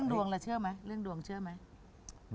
เรื่องดวงเชื่อไหม